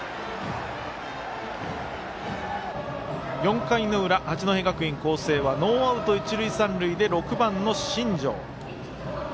４回の裏、八戸学院光星はノーアウト、一塁三塁で６番の新城。